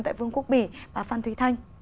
tại vương quốc bỉ và phan thùy thanh